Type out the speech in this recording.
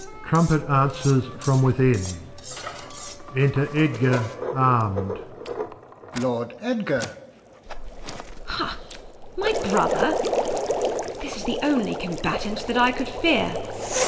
[Trumpets answers from within. Enter Edgar arm'd. Alb. Lord Edgar ! Bast. Ha! My Brother! This is the onely Combatant that I cou'd fear